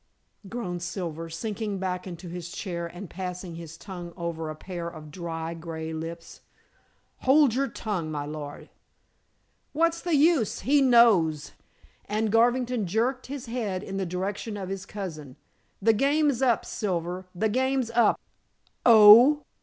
groaned Silver, sinking back into his chair and passing his tongue over a pair of dry, gray lips. "Hold your tongue, my lord." "What's the use? He knows," and Garvington jerked his head in the direction of his cousin. "The game's up, Silver the game's up!" "Oh!"